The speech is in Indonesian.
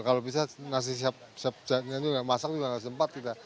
kalau bisa nasi siap masak juga nggak sempat kita